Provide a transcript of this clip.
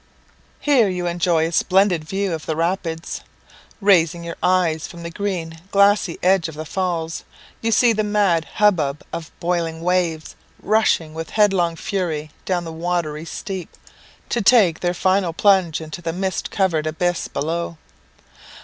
Here you enjoy a splendid view of the Rapids. Raising your eyes from the green, glassy edge of the Falls, you see the mad hubbub of boiling waves rushing with headlong fury down the watery steep, to take their final plunge into the mist covered abyss below.